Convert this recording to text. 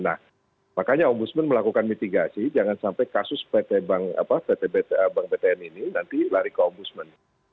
nah makanya ombudsman melakukan mitigasi jangan sampai kasus bank btn ini nanti lari ke ombudsman